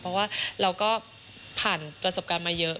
เพราะว่าเราก็ผ่านประสบการณ์มาเยอะ